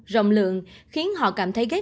rộng lượng khiến họ cảm thấy ghét